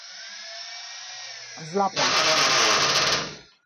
Zlap̌ums.